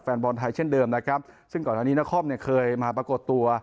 แฟนบอลไทยเช่นเดิมนะครับซึ่งก่อนอันนี้นครเนี่ยเคยมาปรากฏตัว